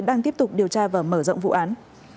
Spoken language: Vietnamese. đang tiếp tục điều tra và mở rộng vụ án